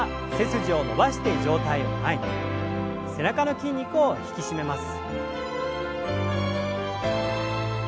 背中の筋肉を引き締めます。